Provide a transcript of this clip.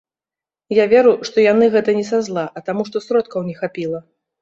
Я веру, што яны гэта не са зла, а таму што сродкаў не хапіла.